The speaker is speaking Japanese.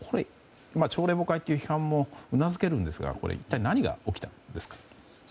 朝令暮改という批判もうなずけるんですがこれは一体、何が起きたんですか。